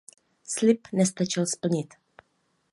Slib nestačil splnit.